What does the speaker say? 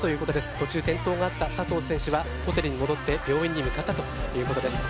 途中転倒があった佐藤選手はホテルに戻って病院に向かったということです。